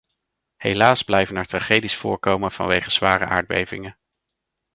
Helaas blijven er tragedies voorkomen vanwege zware aardbevingen.